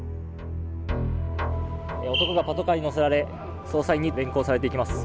男がパトカーに乗せられ捜査員に連行されていきます。